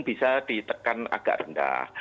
bisa ditekan agak rendah